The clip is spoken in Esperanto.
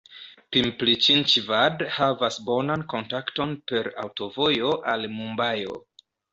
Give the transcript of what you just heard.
Pimpri-Ĉinĉvad havas bonan kontakton per aŭtovojo al Mumbajo.